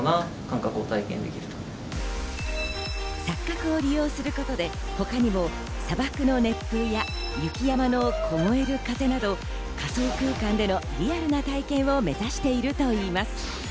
錯覚を利用することで他にも砂漠の熱風や、雪山のこごえる風など仮想空間でのリアルな体験を目指しているといいます。